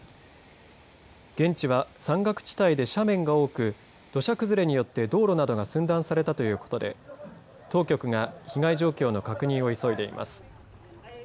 現地は山岳地帯で斜面が多く土砂崩れによって、道路などが寸断されたということで当局が被害状況の確認を急いでいます。